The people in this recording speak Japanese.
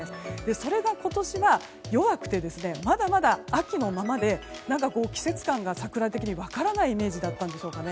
それが今年は弱くてまだまだ秋のままで季節感が桜的に分からないイメージだったんでしょうか。